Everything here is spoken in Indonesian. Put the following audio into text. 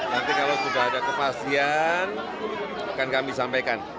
nanti kalau sudah ada kepastian akan kami sampaikan